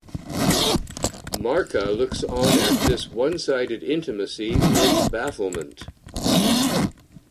Marca looks on at this one-sided intimacy in bafflement.